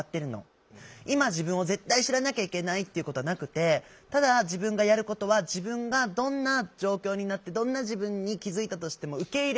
今自分を絶対知らなきゃいけないっていうことはなくてただ自分がやることは自分がどんな状況になってどんな自分に気付いたとしても受け入れる。